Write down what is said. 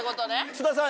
津田さん